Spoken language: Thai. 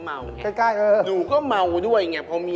เรื่องราวมันกับเมียเป็นยังไงค่ะพี่เบิร์ด